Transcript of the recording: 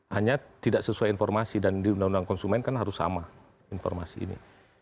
hanya tidak sesuai informasi dan di undang undang konsumen kan harus sama informasi ini